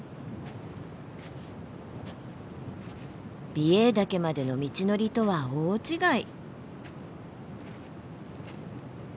美瑛岳までの道のりとは大違い。